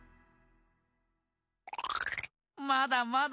まだまだ。